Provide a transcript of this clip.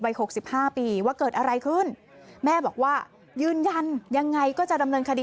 หกสิบห้าปีว่าเกิดอะไรขึ้นแม่บอกว่ายืนยันยังไงก็จะดำเนินคดี